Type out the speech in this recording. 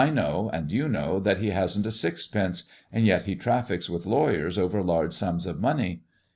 know, and you know, that he hasn't a sixpence, and yet 3 trafl&cs with lawyers over large sums of money.